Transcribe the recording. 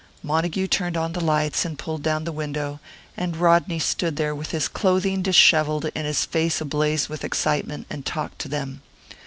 Montague turned on the lights, and pulled down the window; and Rodney stood there, with his clothing dishevelled and his face ablaze with excitement, and talked to them.